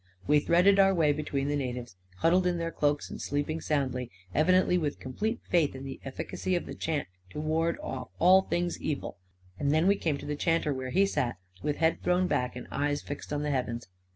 We threaded our way between the natives, huddled in their cloaks and sleeping soundly, evi dently with complete faith in the efficacy of the chant to ward off all things evil ; and then we came to the chanter where he sat, with head thrown back and eyes fixed on the heavens